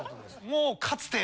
もうかつて。